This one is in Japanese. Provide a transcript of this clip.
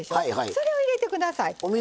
それを入れてください。